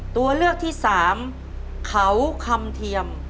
ตัวเลือกที่สามเขาคำเทียม